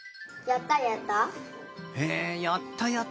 「やったやった」か。